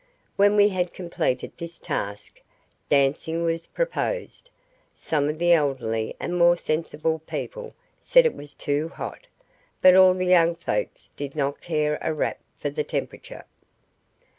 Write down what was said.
When we had completed this task, dancing was proposed. Some of the elderly and more sensible people said it was too hot, but all the young folks did not care a rap for the temperature.